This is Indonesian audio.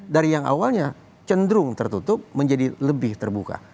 dari yang awalnya cenderung tertutup menjadi lebih terbuka